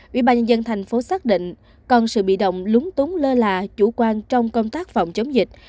ủy ban nhân dân thành phố xác định còn sự bị động lúng túng lơ là chủ quan trong công tác phòng chống dịch